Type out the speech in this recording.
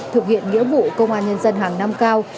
thực hiện nghĩa vụ công an nhân dân hàng năm cao